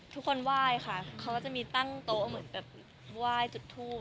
ทุกคนว่ายค่ะเขาก็จะมีตั้งโต๊ะว่ายจุดทั่วอะไรอย่างนี้ค่ะ